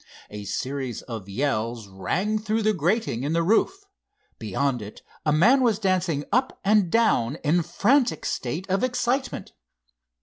A series of yells rang through the grating in the roof. Beyond it a man was dancing up and down in frantic state of excitement.